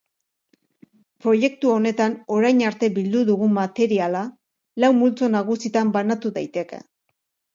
Proiektu honetan orain arte bildu dugun materiala lau multzo nagusitan banatu daiteke.